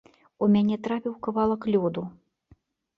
У мяне трапіў кавалак лёду.